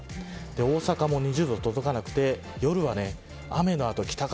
大阪も２０度、届かなくて夜は雨の後、北風。